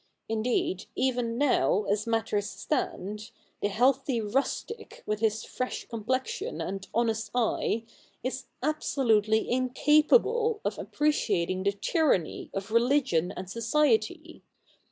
Indeed, even now, as matters stand, the healthy rustic, with his fresh com plexion and honest eye, is absolutely incapable of appreciating the tyranny of religion and society.